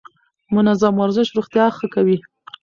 منظم ورزش روغتيا ښه کوي.